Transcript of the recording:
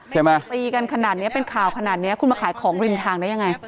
ใช่ไหมตีกันขนาดนี้เป็นข่าวขนาดนี้คุณมาขายของริมทางได้ยังไง